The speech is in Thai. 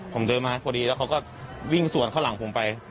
ผมเดินมาพอดีแล้วเขาก็วิ่งสวนเข้าหลังผมไป